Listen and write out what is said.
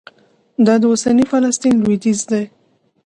دا د اوسني فلسطین لوېدیځ دی.